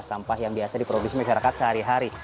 sampah yang biasa diproduksi masyarakat sehari hari